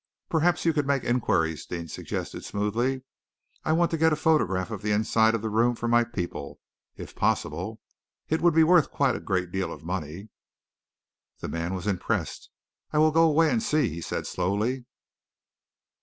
"Perhaps you could make inquiries," Deane suggested smoothly. "I want to get a photograph of the inside of the room for my people, if possible. It would be worth quite a great deal of money." The man was impressed. "I will go away and see," he said slowly.